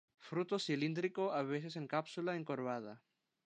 Fruto cilíndrico, a veces en cápsula encorvada.